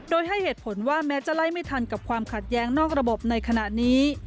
โดยให้เหตุผลว่าแม้จะไล่ไม่ทันกับความขัดแย้งนอกระบบในขณะนี้